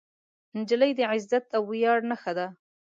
نجلۍ د عزت او ویاړ نښه ده.